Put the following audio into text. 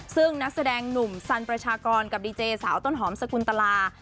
ซึ่งนักแสดงหนุ่มสันประชากรกับดีเจสาวต้นหอมสกุลตลา